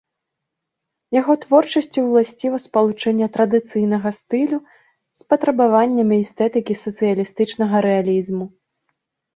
Яго творчасці ўласціва спалучэнне традыцыйнага стылю з патрабаваннямі эстэтыкі сацыялістычнага рэалізму.